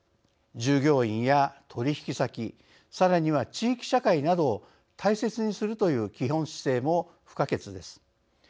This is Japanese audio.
従業員や取引先さらには地域社会などを大切にするという基本姿勢も不可欠です。